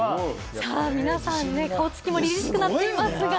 皆さん顔つきも凛々しくなっています。